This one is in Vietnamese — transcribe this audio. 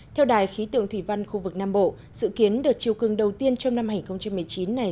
theo đài khí tượng thủy văn khu vực nam bộ sự kiến được chiều cương đầu tiên trong năm hai nghìn một mươi chín này